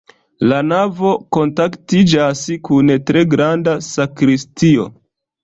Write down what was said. La navo kontaktiĝas kun tre granda sakristio.